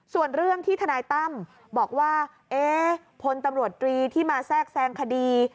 ส่วนเรื่องที่ทนายตั้มบอกว่าพลตำรวจตรีที่มาแทรกแทรงคดี